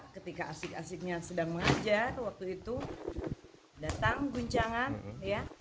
ketika asik asiknya sedang mengajar waktu itu datang guncangan ya